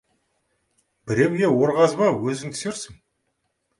Біреуге ор қазба, өзің түсерсің.